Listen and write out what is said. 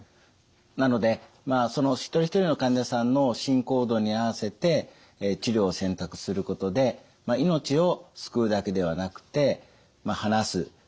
なのでその一人一人の患者さんの進行度に合わせて治療を選択することでなるほど。